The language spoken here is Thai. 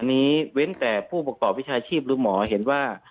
เว้นแต่ผู้ประกอบวิชาชีพหรือหมอเห็นว่า